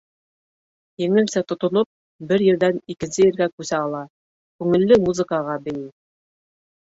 Еңелсә тотоноп, бер ерҙән икенсе ергә күсә ала, күңелле музыкаға «бейей».